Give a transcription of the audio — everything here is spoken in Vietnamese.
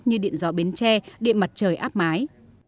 như điện gió bến tre điện mặt trời áp mái